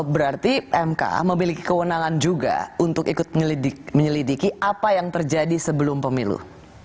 berarti mk memiliki kewenangan juga untuk ikut menyelidiki apa yang terjadi sebelum pemilu